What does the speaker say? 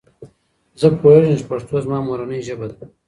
زه پوهیږم چې پښتو زما مورنۍ ژبه ده.